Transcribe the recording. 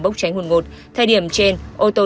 bốc cháy hùn ngột thời điểm trên ô tô